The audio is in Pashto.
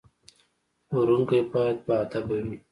پلورونکی باید باادبه وي.